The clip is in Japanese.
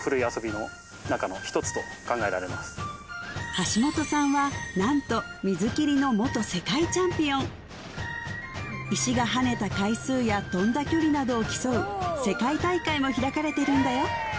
橋本さんはなんと水切りの元世界チャンピオン石が跳ねた回数や飛んだ距離などを競う世界大会も開かれてるんだよ